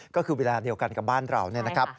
ก็คือเวลาเดียวกันกับบ้านเรา